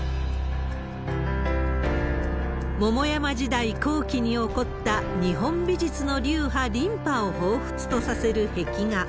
桃山時代後期におこった日本美術の流派、琳派をほうふつとさせる壁画。